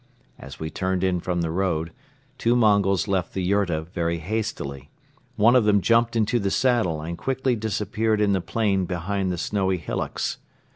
As we turned in from the road, two Mongols left the yurta very hastily; one of them jumped into the saddle and quickly disappeared in the plain behind the snowy hillocks.